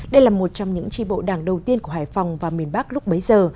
đây là một trong những tri bộ đảng đầu tiên của hải phòng và miền bắc lúc bấy giờ